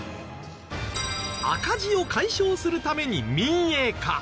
赤字を解消するために民営化。